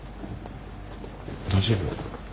大丈夫？